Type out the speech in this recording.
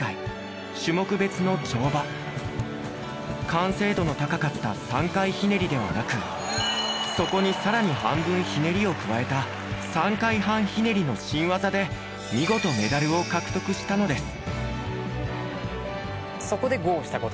完成度の高かった３回ひねりではなくそこにさらに半分ひねりを加えた「３回半ひねり」の新技で見事メダルを獲得したのです。